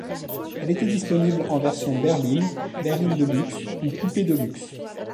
Elle était disponible en versions Berline, Berline de luxe ou coupé de luxe.